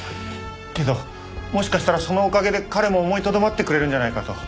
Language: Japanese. けどもしかしたらそのおかげで彼も思いとどまってくれるんじゃないかと。